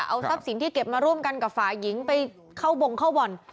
เอาทรัพย์สินที่เก็บมาร่วมกันกับฝ่ายหญิงไปเข้าบงเข้าบ่อน